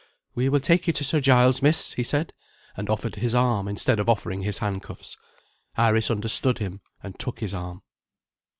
"We will take you to Sir Giles, Miss," he said and offered his arm, instead of offering his handcuffs. Iris understood him, and took his arm.